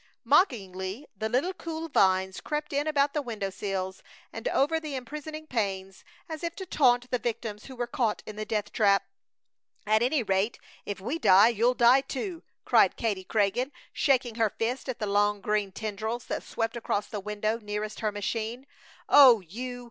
Mockingly the little cool vines crept in about the window sills and over the imprisoning panes, as if to taunt the victims who were caught in the death trap. "At any rate, if we die you'll die too!" cried Katie Craigin, shaking her fist at the long green tendrils that swept across the window nearest her machine. "Oh, you!